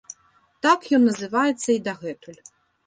Так ён называецца і дагэтуль.